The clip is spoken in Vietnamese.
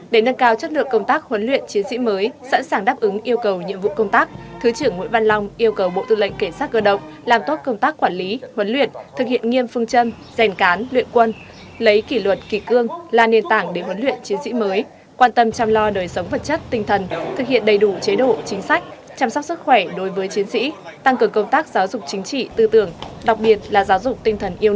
để nâng cao chất lượng công tác huấn luyện chiến sĩ mới sẵn sàng đáp ứng yêu cầu nhiệm vụ công tác thứ trưởng nguyễn văn long yêu cầu bộ tư lệnh cảnh sát cơ động làm tốt công tác quản lý huấn luyện thực hiện nghiêm phương châm rèn cán luyện quân lấy kỷ luật kỷ cương là nền tảng để huấn luyện chiến sĩ mới quan tâm chăm lo đời sống vật chất tinh thần thực hiện đầy đủ chế độ chính sách chăm sóc sức khỏe đối với chiến sĩ tăng cường công tác giáo dục chính trị tư tưởng đặc biệt là gi